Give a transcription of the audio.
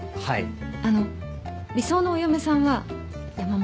あの理想のお嫁さんは山本君なんです。